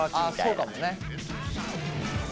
あそうかもね。